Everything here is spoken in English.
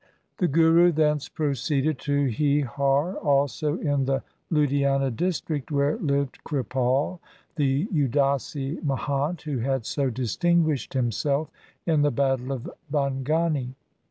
The Guru thence proceeded to Hehar, also in the Ludhiana district, where lived Kripal, the Udasi Mahant who had so distinguished himself in the battle of Bhangani.